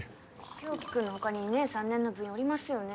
日沖君の他に２年３年の部員おりますよね